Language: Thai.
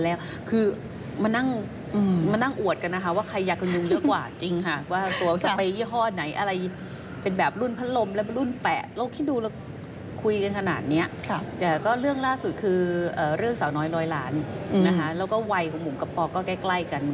เอายากันยุงมาประชันกัน